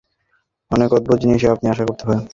অনেক অদ্ভুত জিনিসই আপনি আশা করতে পারেন।